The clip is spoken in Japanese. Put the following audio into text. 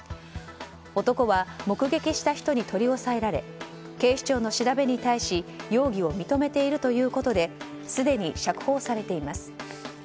男は目撃した人に取り押さえられ警視庁の調べに対し容疑を認めているということですでに釈放されています。